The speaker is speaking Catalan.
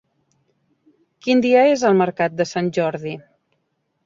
Quin dia és el mercat de Sant Jordi?